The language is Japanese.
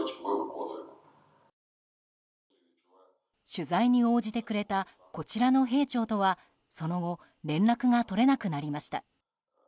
取材に応じてくれたこちらの兵長とはその後連絡が取れなくなりました。